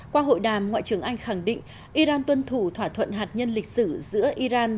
qua hội đàm ngoại trưởng anh khẳng định iran tuân thủ thỏa thuận hạt nhân lịch sử giữa iran